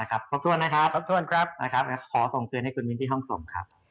ขอบคุณนะครับขอบคุณครับขอส่งเตือนให้คุณวินทร์ที่ห้องส่งครับ